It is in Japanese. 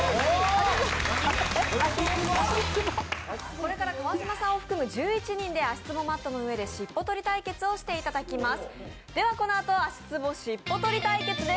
これから川島さんを含む１１人で足つぼマットの上でしっぽ取り対決をしていただきます。